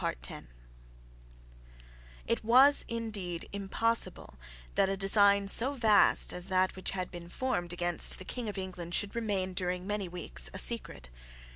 It was indeed impossible that a design so vast as that which had been formed against the King of England should remain during many weeks a secret.